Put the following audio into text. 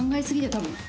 多分。